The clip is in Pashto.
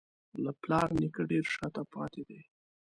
له پلار نیکه ډېر شته پاتې دي.